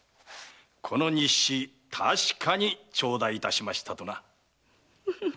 この日誌確かに頂戴いたしましたとな。